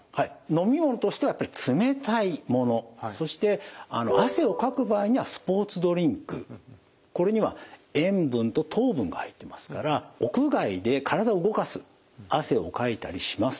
飲み物としてはやっぱり冷たいものそしてこれには塩分と糖分が入ってますから屋外で体を動かす汗をかいたりします。